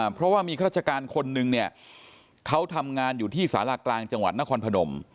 เพราะว่ามีข้าราชการคนนึงเนี่ยเขาทำงานอยู่ที่สารากลางจังหวัดนครพนม